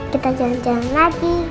kita janji jalan lagi